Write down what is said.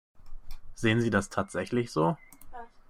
Sehen Sie das tatsächlich so?